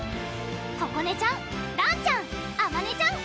ここねちゃんらんちゃんあまねちゃん